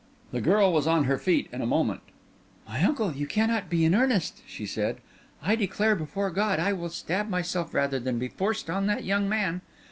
The girl was on her feet in a moment. "My uncle, you cannot be in earnest," she said. "I declare before God I will stab myself rather than be forced on that young man.